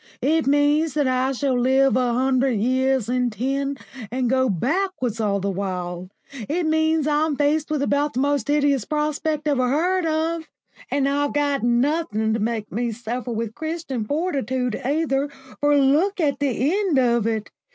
It means that I shall live a hundred years in ten and go backwards all the while. It means I'm faced with about the most hideous prospect ever heard of. And I've got nothing to make me suffer with Christian fortitude either, for look at the end of it!